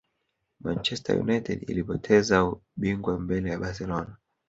Manchester United ilipoteza bingwa mbele ya barcelona